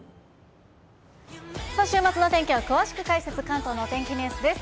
週末の天気を詳しく解説、関東のお天気ニュースです。